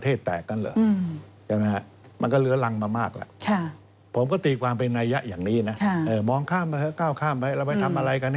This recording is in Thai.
แต่คำพูดของนายกง่าสนใจคนไทยด้วยกัน